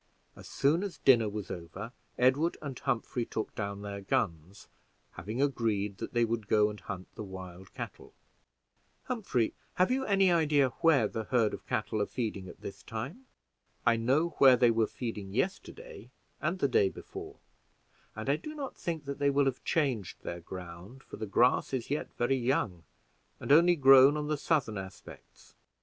As soon as dinner was over, Edward and Humphrey took down their guns, having agreed that they would go and hunt the wild cattle. "Humphrey, have you any idea where the herd of cattle are feeding at this time?" "I know where they were feeding yesterday and the day before, and I do not think that they will have changed their ground, for the grass is yet very young and only grown on the southern aspects.